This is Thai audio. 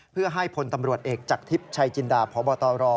เพื่อให้พลตำรวจเอกจากทิพย์ชัยจินดาพบตร